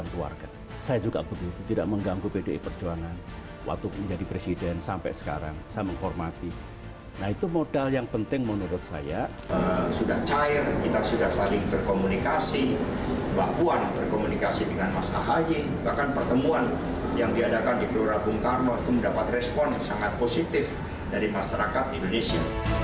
bapak berkomunikasi dengan mas ahayi bahkan pertemuan yang diadakan di keluarga bung karno itu mendapat respon sangat positif dari masyarakat indonesia